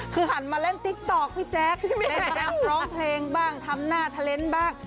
คือหันมาเล่นติ๊กต๊อกพี่แจ๊คเล่นแอมร้องเพลงบ้างทำหน้าเทลนด์บ้าง